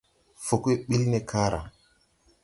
Fug we ɓil ne kããra.